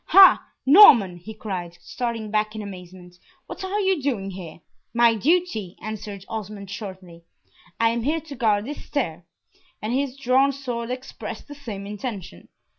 "Ha! Norman!" he cried, starting back in amazement, "what are you doing here?" "My duty," answered Osmond, shortly. "I am here to guard this stair;" and his drawn sword expressed the same intention.